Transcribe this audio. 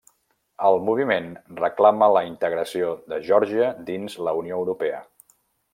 El Moviment reclama la integració de Geòrgia dins la Unió Europea.